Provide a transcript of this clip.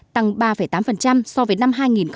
tăng ba tám so với năm hai nghìn một mươi bảy